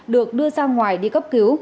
được đưa sang ngoài đi cấp cứu